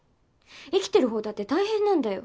生きてる方だって大変なんだよ。